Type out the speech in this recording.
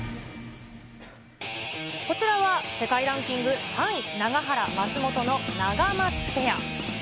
こちらは世界ランキング３位、永原、松本のナガマツペア。